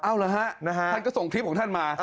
เอาเหรอฮะท่านก็ส่งคลิปของท่านมา